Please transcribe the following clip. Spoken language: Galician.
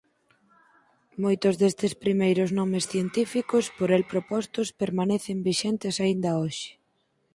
Moitos destes primeiros nomes científicos por el propostos permanecen vixentes aínda hoxe.